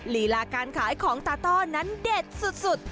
ลีลาการขายของตาต้อนั้นเด็ดสุด